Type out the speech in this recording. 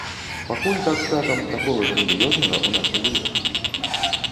Пакуль, так скажам, такога грандыёзнага ў нас не было.